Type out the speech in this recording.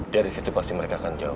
dari situ pasti mereka akan jauh